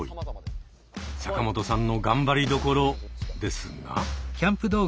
坂本さんの頑張りどころですが。